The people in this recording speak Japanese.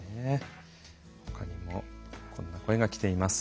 ほかにもこんな声が来ています。